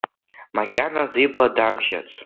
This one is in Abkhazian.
Макьаназ ибла дамжьац.